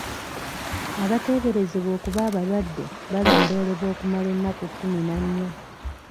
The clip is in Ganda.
Abateeberezebwa okuba abalwadde balondoolebwa okumala ennaku kkumi na nnya.